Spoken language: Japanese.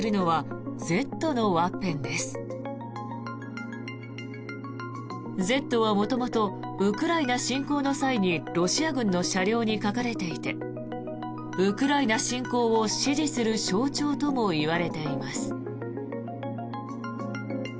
「Ｚ」は元々ウクライナ侵攻の際にロシア軍の車両に書かれていてウクライナ侵攻を支持する象徴ともいわれています。